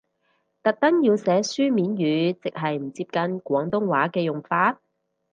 特登要寫書面語，即係唔接近廣東話嘅用法？